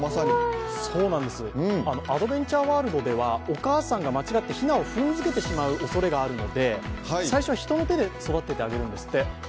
アドベンチャーワールドではお母さんが間違ってひなを踏んづけてしまうおそれがあるので最初は人の手で育ててあげるんですって。